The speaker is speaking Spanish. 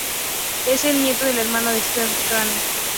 Él es el nieto del hermano de Stephen Crane.